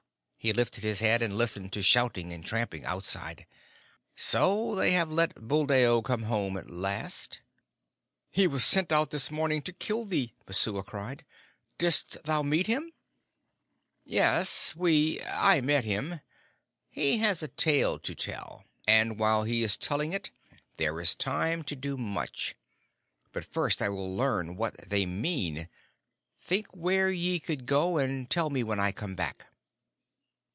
he lifted his head and listened to shouting and trampling outside. "So they have let Buldeo come home at last?" "He was sent out this morning to kill thee," Messua cried. "Didst thou meet him?" "Yes we I met him. He has a tale to tell; and while he is telling it there is time to do much. But first I will learn what they mean. Think where ye would go, and tell me when I come back."